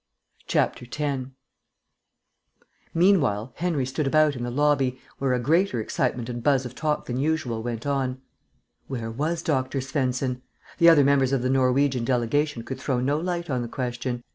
10 Meanwhile Henry stood about in the lobby, where a greater excitement and buzz of talk than usual went on. Where was Dr. Svensen? The other members of the Norwegian delegation could throw no light on the question.